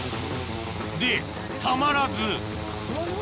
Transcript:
でたまらずうわ